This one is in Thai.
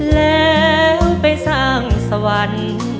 แล้วไปสร้างสวรรค์